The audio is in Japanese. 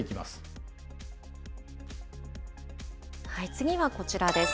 次はこちらです。